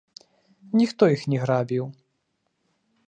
Ніхто іх не грабіў!